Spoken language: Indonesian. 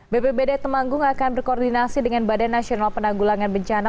bpbd temanggung akan berkoordinasi dengan badan nasional penanggulangan bencana